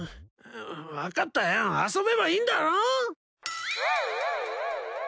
分かったよ遊べばいいんだろ？